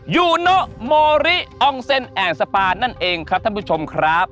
ยูโนโมริอองเซ็นแอ่งสปานั่นเองครับท่านผู้ชมครับ